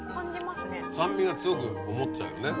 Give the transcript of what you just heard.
酸味が強く思っちゃうよね。